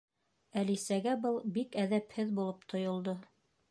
Әлисәгә был бик әҙәпһеҙ булып тойолдо.